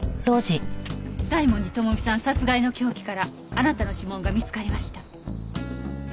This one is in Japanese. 大文字智美さん殺害の凶器からあなたの指紋が見つかりました。